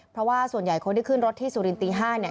เพราะว่าส่วนใหญ่คนที่ขึ้นรถที่สุรินตี๕เนี่ย